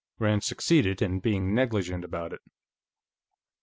Rand succeeded in being negligent about it.